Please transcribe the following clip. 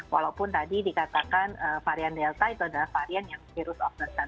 walaupun tadi dikatakan varian delta itu adalah varian yang virus of the satu